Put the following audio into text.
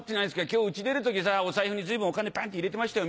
今日うち出る時お財布に随分お金パンって入れてましたよ。